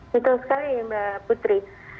betul sekali mbak putri